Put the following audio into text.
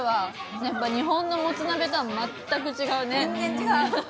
やっぱり日本のもつ鍋とは全然違うね。